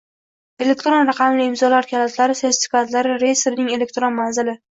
elektron raqamli imzolar kalitlari sertifikatlari reyestrining elektron manzili.